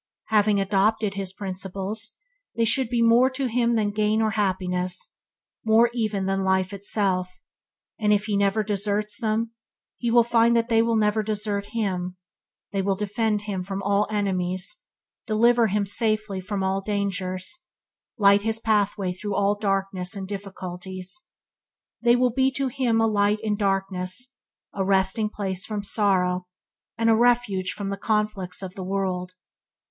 Having adopted his principles, they should be more to him than gain or happiness, more even than life itself, and if he never deserts them he will find that they will never desert him; they will defend him from all enemies, deliver him safely from all dangers, light up his pathway through all darkness and difficulties. They will be to him a light in darkness, a resting place from sorrow, and a refuge from the conflicts of the world.